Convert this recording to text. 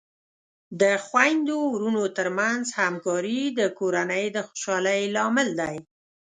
د خویندو ورونو ترمنځ همکاري د کورنۍ د خوشحالۍ لامل دی.